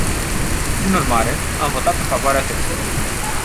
Prin urmare, am votat în favoarea textului.